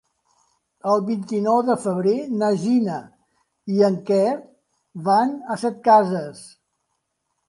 El vint-i-nou de febrer na Gina i en Quer van a Setcases.